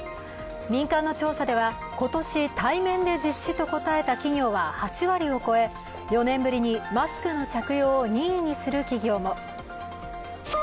民間の調査では、今年対面で実施と答えた企業は８割を超え４年ぶりにマスクの着用を任意にする企業も。